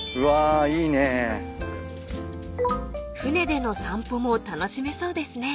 ［舟での散歩も楽しめそうですね］